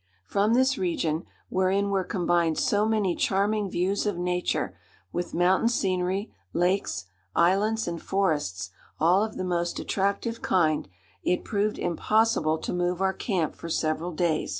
From this region, wherein were combined so many charming views of nature, with mountain scenery, lakes, islands, and forests, all of the most attractive kind, it proved impossible to move our camp for several days.